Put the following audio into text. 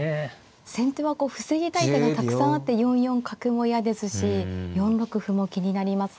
先手は防ぎたい手がたくさんあって４四角も嫌ですし４六歩も気になります。